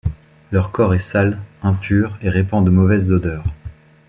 Leur corps est sale, impur et répand de mauvaises odeurs.